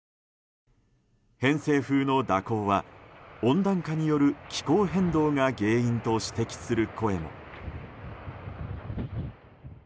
偏西風の蛇行は温暖化による気候変動が原因と指摘する声も。